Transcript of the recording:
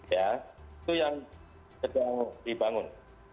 itu yang sedang dibangun